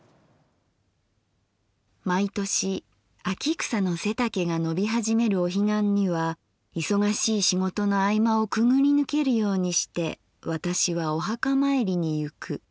「毎年秋草の背丈が伸びはじめるお彼岸にはいそがしい仕事の合間をくぐりぬけるようにして私はお墓まいりにゆく。